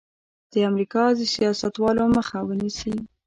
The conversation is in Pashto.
د امریکا د سیاستوالو مخه ونیسي.